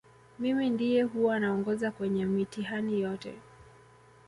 mimi ndiye huwa naongoza kwenye mitihani yote